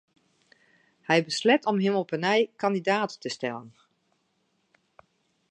Hy besleat om him op 'e nij kandidaat te stellen.